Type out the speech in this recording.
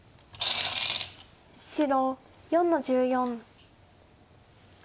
白４の十四。